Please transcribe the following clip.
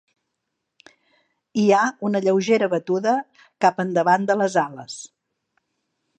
Hi ha una lleugera batuda cap endavant de les ales.